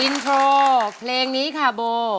อินโทรเพลงนี้ค่ะโบ